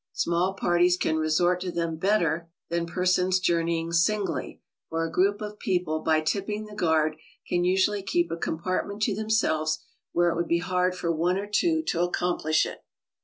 Small parties can resort to them better than per HOW TO TRAVEL ABROAD. 57 sons journeying singly, for a group of people by tipping the guard can usually keep a compartment to themselves where it would be hard for one or two to accomplish it.